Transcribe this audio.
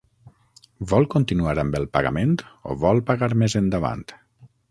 Vol continuar amb el pagament o vol pagar més endavant?